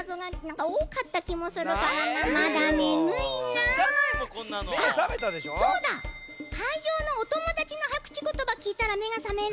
あっそうだ！かいじょうのおともだちのはやくちことばきいたらめがさめるかも。